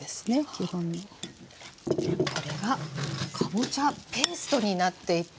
これがかぼちゃペーストになっていって。